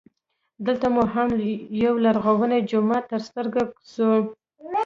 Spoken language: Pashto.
دلته مو هم یولرغونی جومات تر ستر ګو سو.